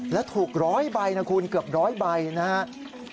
และถูก๑๐๐ใบนะคุณเกือบ๑๐๐ใบนะครับ